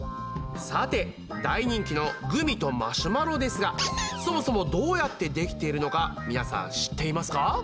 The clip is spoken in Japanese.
さて大人気のグミとマシュマロですがそもそもどうやってできているのか皆さん知っていますか？